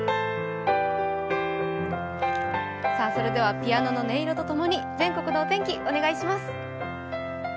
ピアノの音色と共に全国のお天気、お願いします。